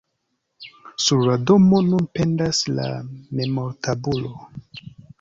Sur la domo nun pendas la memortabulo.